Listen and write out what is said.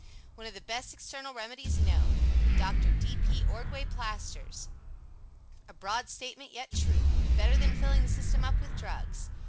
One of the Best External Remedies Known The Dr. D. P. Ordway Plasters A broad statement, yet true. Better than filling the system up with drugs.